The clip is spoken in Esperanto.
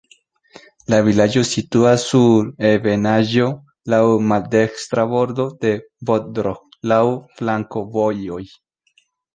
La vilaĝo situas sur ebenaĵo, laŭ maldekstra bordo de Bodrog, laŭ flankovojoj.